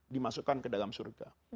dimasukkan ke dalam surga